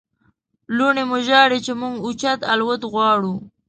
لوڼې مو ژاړي چې موږ اوچت الوت غواړو.